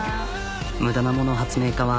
無駄なもの発明家は。